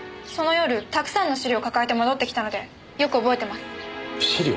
その夜たくさんの資料を抱えて戻ってきたのでよく覚えてます。